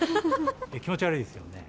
気持ち悪いですよね。